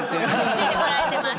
ついて来られてます。